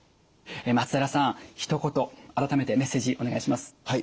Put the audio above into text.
松平さんひと言改めてメッセージお願いします。